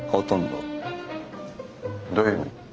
どういう意味？